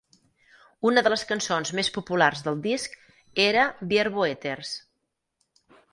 Una de les cançons més populars del disc era "Viervoeters".